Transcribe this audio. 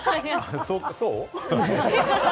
そう？